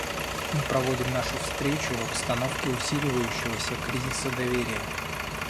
Мы проводим нашу встречу в обстановке усиливающегося кризиса доверия.